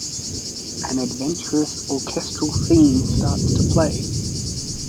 An adventurous orchestral theme starts to play.